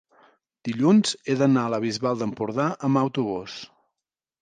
dilluns he d'anar a la Bisbal d'Empordà amb autobús.